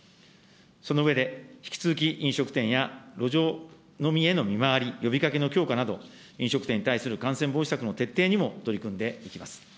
その上で、引き続き飲食店や路上飲みへの見回り、呼びかけの強化など、飲食店に対する感染防止策の徹底にも取り組んでいきます。